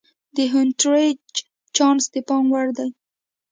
د هونټریج چانس د پام وړ دی.